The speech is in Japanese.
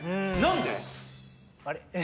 あれ？